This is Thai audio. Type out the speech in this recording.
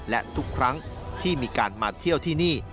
และทุกครั้งที่มีการมาเที่ยวที่นี่